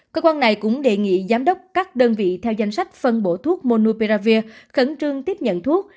cơ quan này cũng đề nghị giám đốc các đơn vị theo danh sách phân bổ thuốc monupearavir khẩn trương tiếp nhận thuốc